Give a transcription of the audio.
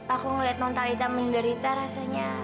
aku ngeliat nontarita menderita rasanya